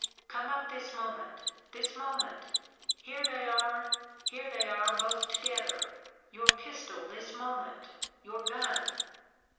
come up this moment! this moment! here they are here they are both together! your pistol this moment! your gun!